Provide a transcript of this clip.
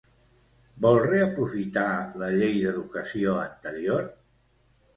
Vol reaprofitar la llei d'educació anterior?